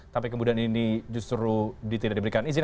tapi kemudian ini justru tidak diberikan izin